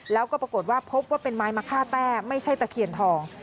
แล้วก็ปรากฏว่าพบว่าเป็นไม้มะค่าแต้ไม่ใช่ตะเคียนทอง